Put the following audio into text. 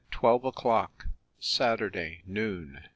Twelve o'clock, Saturday noon.